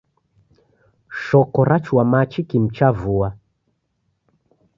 Shoko rachua machi kimu cha vua.